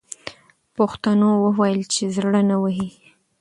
پښتنو وویل چې زړه نه وهي.